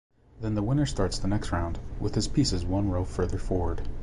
Then the winner starts the next round, with his pieces one row further forward.